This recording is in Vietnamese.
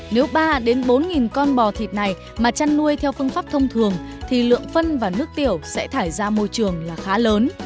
nếu ba bốn con bò thịt này mà chăn nuôi theo phương pháp thông thường thì lượng phân và nước tiểu sẽ thải ra môi trường là khá lớn